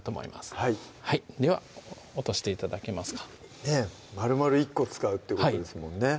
はいでは落として頂けますかねぇまるまる１個使うってことですもんね